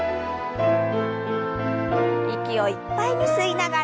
息をいっぱいに吸いながら。